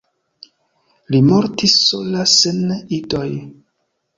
Li mortis sola sen idoj.